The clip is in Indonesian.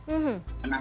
jadi itu sudah berusaha